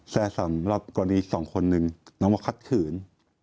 แต่สำหรับกรณีสองคนหนึ่งน้องมาคัดขืน